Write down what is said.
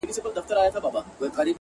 • پلار یې خړي سترګي کښته واچولې,